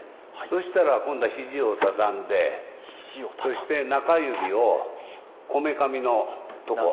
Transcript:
そしたら今度は肘を畳んでそして中指をこめかみのとこ。